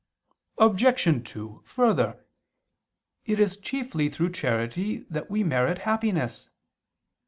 Obj. 2: Further, it is chiefly through charity that we merit happiness.